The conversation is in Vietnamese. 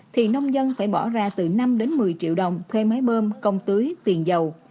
thì nông dân phải bỏ ra từ năm một mươi triệu đồng thuê máy bơm công tưới tiền dầu